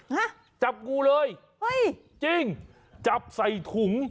ฮะจับงูเลยเฮ้ยจริงจับใส่ถุง